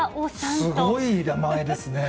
すごい名前ですね。